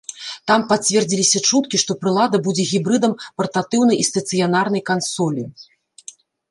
Там пацвердзіліся чуткі, што прылада будзе гібрыдам партатыўнай і стацыянарнай кансолі.